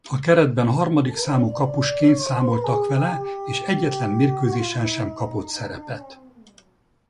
A keretben harmadik számú kapusként számoltak vele és egyetlen mérkőzésen sem kapott szerepet.